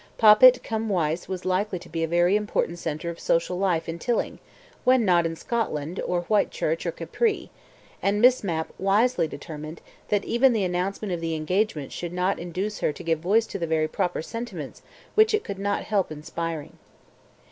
Poppit cum Wyse was likely to be a very important centre of social life in Tilling, when not in Scotland or Whitchurch or Capri, and Miss Mapp wisely determined that even the announcement of the engagement should not induce her to give voice to the very proper sentiments which it could not help inspiring.